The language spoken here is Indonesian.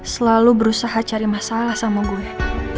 selalu berusaha cari masalah sama gue